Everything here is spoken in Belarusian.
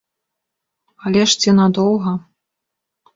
Але ж ці надоўга?